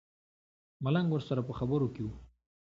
ملنګ ورسره په خبرو کې و.